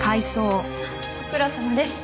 ご苦労さまです。